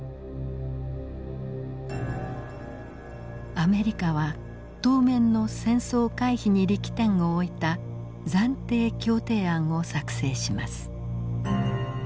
アメリカは当面の戦争回避に力点を置いた暫定協定案を作成します。